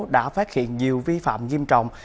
đã phát hiện nhiều vi phạm nghiêm trọng